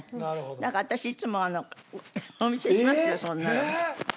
だから私いつもお見せしますよそれなら。